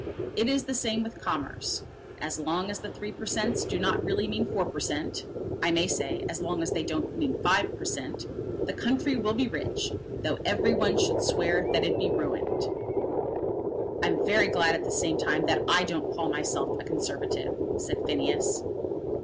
It is the same with commerce. As long as the Three per Cents. do not really mean Four per Cent., I may say as long as they don't mean Five per Cent., the country will be rich, though every one should swear that it be ruined." "I'm very glad, at the same time, that I don't call myself a Conservative," said Phineas.